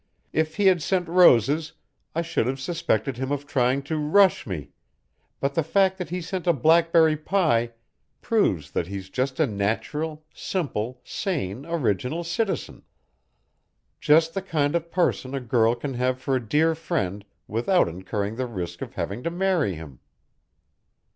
If he had sent roses, I should have suspected him of trying to 'rush' me, but the fact that he sent a blackberry pie proves that he's just a natural, simple, sane, original citizen just the kind of person a girl can have for a dear friend without incurring the risk of having to marry him."